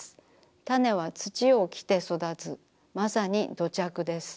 種は土を着て育つまさに土着です。